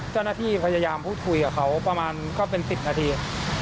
เจ้าหน้าที่พยายามพูดคุยกับเขาประมาณก็เป็น๑๐นาที